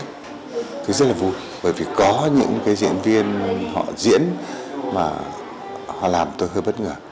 tôi rất là vui bởi vì có những cái diễn viên họ diễn mà họ làm tôi hơi bất ngờ